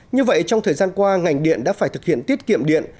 như vậy trong thời gian qua ngành điện đã phải thực hiện tiết kiệm điện